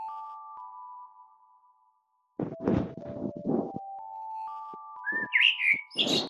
Calls will be answered in the order they were received.